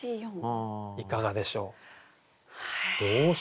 いかがでしょう？動詞。